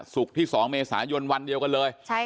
ศุกร์ที่๒เมษายนวันเดียวกันเลย